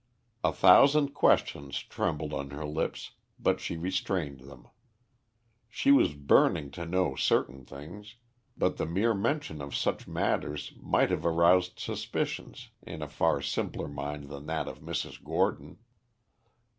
A thousand questions trembled on her lips, but she restrained them. She was burning to know certain things, but the mere mention of such matters might have aroused suspicions in a far simpler mind than that of Mrs. Gordon.